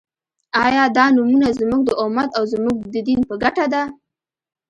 آیا دا نومؤنه زموږ د امت او زموږ د دین په ګټه ده؟